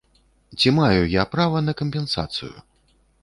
Ці маю я права на кампенсацыю?